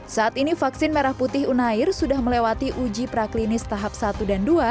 saat ini vaksin merah putih unair sudah melewati uji praklinis tahap satu dan dua